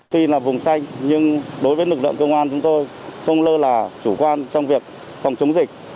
tuy là vùng xanh nhưng đối với lực lượng công an chúng tôi không lơ là chủ quan trong việc phòng chống dịch